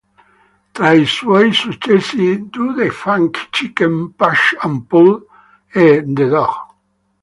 Tra i suoi successi "Do the Funky Chicken", "Push and Pull" e "The Dog".